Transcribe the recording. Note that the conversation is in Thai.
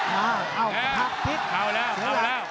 พักทิ้ง